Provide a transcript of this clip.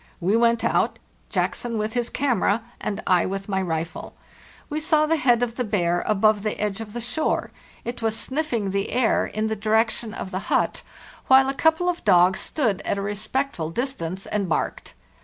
We went out, Jackson with his camera and I with my rifle. We saw the head of the bear above the edge of the shore; it was sniffing the air 542 FARTHEST NORTH in the direction of the hut, while a couple of dogs stood at a respectful distance and barked.